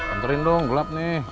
anterin dong gelap nih